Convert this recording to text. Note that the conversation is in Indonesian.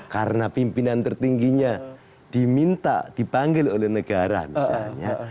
karena pimpinan tertingginya diminta dipanggil oleh negara misalnya